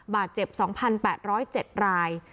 บาดเจ็บ๒๘๐๗ราย